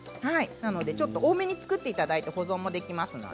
多めに作っていただいて保存もできますので。